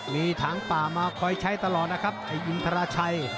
มีถังป่ามาคอยใช้อินทราชชัย